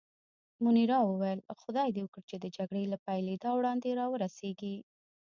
منیرا وویل: خدای دې وکړي چې د جګړې له پېلېدا وړاندې را ورسېږي.